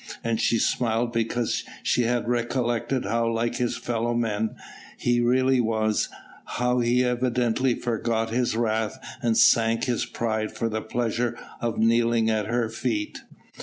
And she smiled because she had recollected how like his fellowmen he really was, how he evidently forgot his wrath and sank his pride for the pleasure of kneeling at her feet.